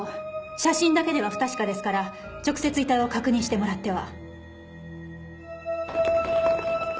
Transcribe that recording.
写真だけでは不確かですから直接遺体を確認してもらっては。